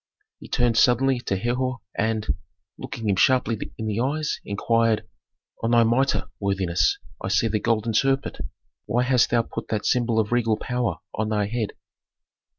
He turned suddenly to Herhor and, looking him sharply in the eyes, inquired, "On thy mitre, worthiness, I see the golden serpent. Why hast thou put that symbol of regal power on thy head?"